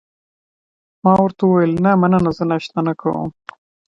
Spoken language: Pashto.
ما ورته وویل: نه، مننه، زه ناشته نه کوم.